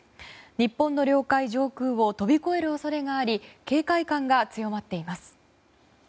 日本の領海上空を飛び越える恐れがあり警戒感が強まっています。